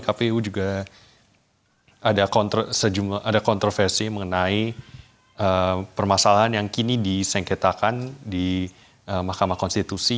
kpu juga ada kontroversi mengenai permasalahan yang kini disengketakan di mahkamah konstitusi